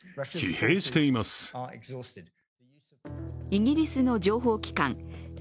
イギリスの情報機関